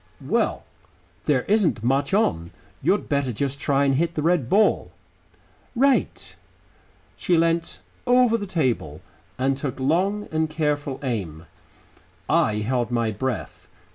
"Well, there isn't much on. You'd better just try and hit the red ball." "Right." She leant over the table and took long and careful aim. I held my breath....